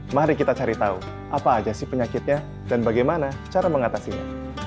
mari kita cari tahu apa aja sih penyakitnya dan bagaimana cara mengatasinya